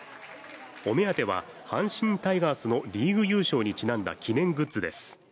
お目当ては阪神タイガースのリーグ優勝にちなんだ記念グッズです。